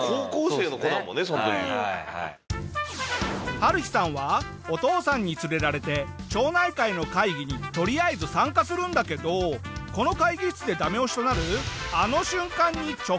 ハルヒさんはお父さんに連れられて町内会の会議にとりあえず参加するんだけどこの会議室でダメ押しとなるあの瞬間に直面してしまうんだ。